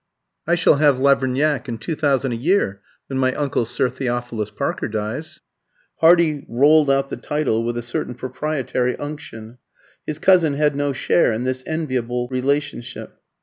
I shall have Lavernac and two thousand a year when my uncle, Sir Theophilus Parker, dies." Hardy rolled out the title with a certain proprietary unction; his cousin had no share in this enviable relationship.